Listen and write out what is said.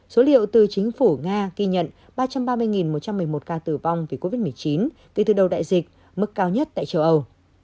số liệu từ chính phủ nga ghi nhận ba trăm ba mươi một trăm một mươi một ca tử vong vì covid một mươi chín kể từ đầu đại dịch mức cao nhất tại châu âu